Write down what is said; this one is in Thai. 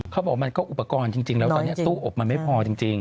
เขาบอกมันก็อุปกรณ์จริงแล้วตอนนี้ตู้อบมันไม่พอจริง